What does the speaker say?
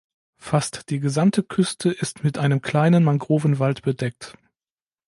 Fast die gesamte Küste ist mit einem kleinen Mangrovenwald bedeckt.